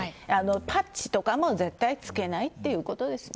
パッチとかも絶対に付けないということですね。